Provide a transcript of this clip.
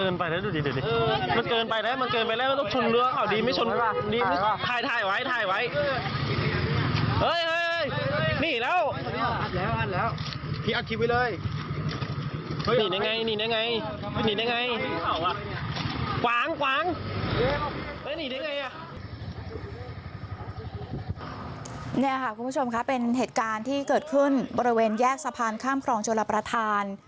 นี่ค่ะคุณผู้ชมค่ะเป็นเหตุการณ์ที่เกิดขึ้นบริเวณแยกสะพานข้ามครองชลประธาน